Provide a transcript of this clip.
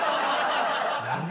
何だ？